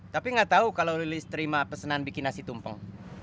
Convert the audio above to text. tapi gak tau kalau lili terima pesenan bikin nasi tumpeng